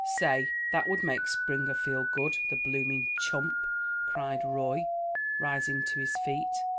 "Say, that would make Springer feel good, the blooming chump!" cried Roy, rising to his feet.